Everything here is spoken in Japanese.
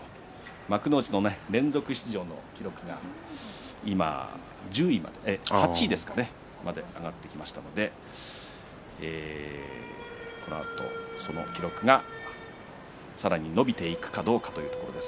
幕内連続出場の記録が今８位まで上がってきましたのでその記録がさらに伸びていくかどうかというところです。